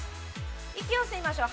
息を吸いましょう。